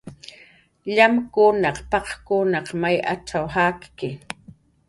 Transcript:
"Llamkuna, paq""kunaq may atz'aw jakki"